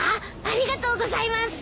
ありがとうございます。